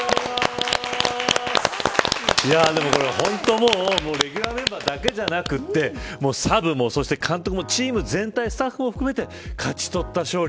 でもこれ本当にレギュラーメンバーだけじゃなくサブも監督もチーム全体、スタッフも含めて勝ち取った勝利。